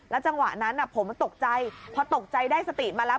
จังหวะนั้นผมตกใจพอตกใจได้สติมาแล้ว